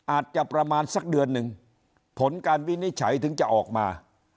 อาจจะประมาณสักเดือนหนึ่งผลการวินิจฉัยถึงจะออกมา